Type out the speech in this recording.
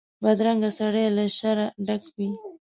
بدرنګه سړی له شره ډک وي